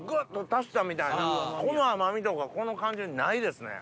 みたいなこの甘味とかこの感じはないですね。